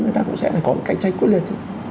người ta cũng sẽ phải có cái trách quyết liệt